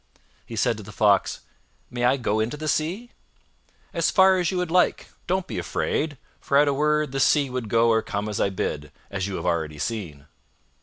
He said to the Fox, "May I go into the Sea?" "As far as you like. Don't be afraid, for at a word, the Sea would go or come as I bid, and as you have already seen."